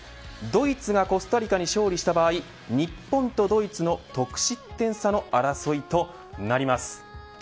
ドイツがコスタリカに勝利した場合日本とドイツの得失点差の争いとなります。